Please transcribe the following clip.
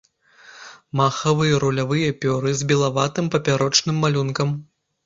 Махавыя і рулявыя пёры з белаватым папярочным малюнкам.